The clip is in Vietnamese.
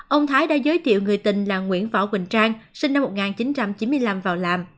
ông thái đã giới thiệu người tình là nguyễn võ quỳnh trang sinh năm một nghìn chín trăm chín mươi năm vào làm